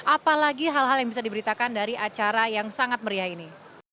apalagi hal hal yang bisa diberitakan dari acara yang sangat meriah ini